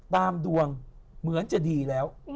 ดวงเหมือนจะดีแล้ว